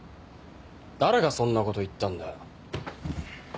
誰がそんなこと言ったんだよ。